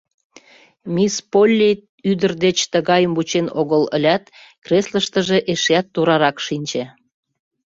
Мисс Полли ӱдыр деч тыгайым вучен огыл ылят, креслыштыже эшеат турарак шинче.